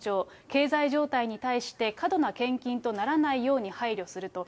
経済状態に対して過度な献金とならないように配慮すると。